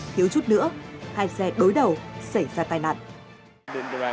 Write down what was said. thiếu chút nữa hai xe đối đầu xảy ra tai nạn